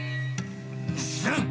知らん！